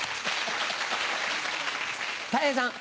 たい平さん。